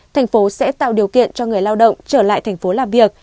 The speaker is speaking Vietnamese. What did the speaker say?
thành phố sẽ tạo điều kiện cho người lao động trở lại thành phố làm việc